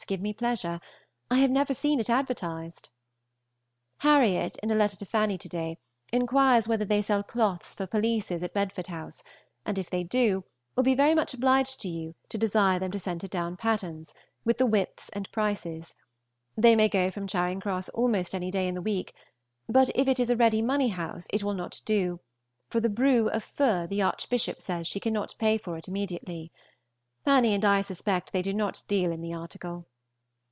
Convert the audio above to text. give me pleasure. I have never seen it advertised. Harriot, in a letter to Fanny to day, inquires whether they sell cloths for pelisses at Bedford House, and, if they do, will be very much obliged to you to desire them to send her down patterns, with the width and prices; they may go from Charing Cross almost any day in the week, but if it is a ready money house it will not do, for the bru of feu the Archbishop says she cannot pay for it immediately. Fanny and I suspect they do not deal in the article.